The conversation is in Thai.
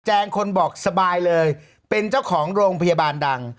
คนบอกสบายเลยเป็นเจ้าของโรงพยาบาลดัง